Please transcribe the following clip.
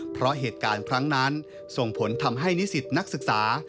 เพราะเหตุการณ์ครั้งนั้นส่งผลทำให้นิสิตนักศึกษา